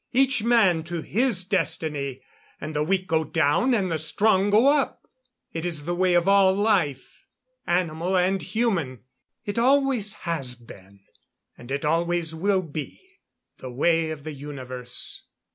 Each man to his destiny and the weak go down and the strong go up. It is the way of all life animal and human. It always has been and it always will be. The way of the universe.